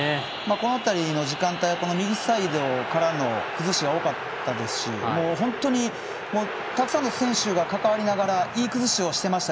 この辺りの時間帯は右サイドからの崩しが多かったですしたくさんの選手が関わり合っていい崩しをしていました。